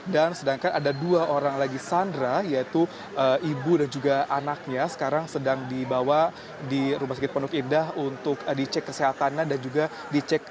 dan sedangkan ada dua orang lagi sandra yaitu ibu dan juga anaknya sekarang sedang dibawa di rumah sekit pondok indah untuk dicek kesehatannya dan juga dicek kondisi